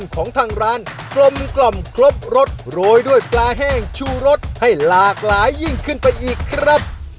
ของทางร้านกลมกล่อมครบรสโรยด้วยปลาแห้งชูรสให้หลากหลายยิ่งขึ้นไปอีกครับ